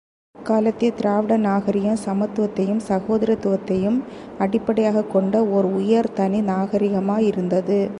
அக்காலத்திய திராவிட நாகரிகம் சமத்துவத்தையும் சகோதரத்துவத்தையும் அடிப்படையாகக் கொண்ட ஓர் உயர் தனி நாகரிகமாயிருந்தது.